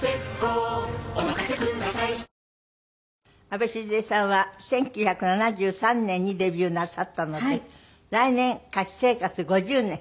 あべ静江さんは１９７３年にデビューなさったので来年歌手生活５０年。